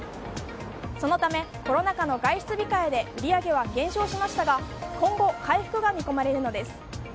そのため、コロナ禍の外出控えで売り上げは減少しましたが今後、回復が見込まれるのです。